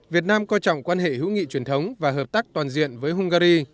việt nam coi trọng quan hệ hữu nghị truyền thống và hợp tác toàn diện với hungary